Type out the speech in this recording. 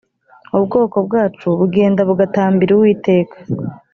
ubwoko bwacu bugenda bugatambira uwiteka